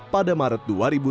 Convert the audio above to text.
pada maret dua ribu dua puluh